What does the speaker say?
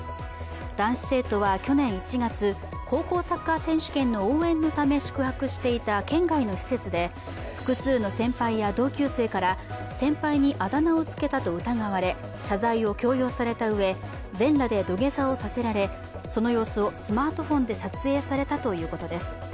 男子生徒は去年１月、高校サッカー選手権の応援のため宿泊していた県外の施設で複数の先輩や同級生から、先輩にあだ名をつけたと疑われ、謝罪を強要されたうえ、全裸で土下座をさせられその様子をスマートフォンで撮影されたということです。